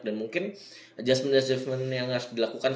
dan mungkin adjustment adjustment yang harus dilakukan